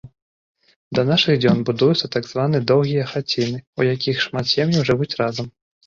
Да нашых дзён будуюцца так званыя доўгія хаціны, у якіх шмат сем'яў жывуць разам.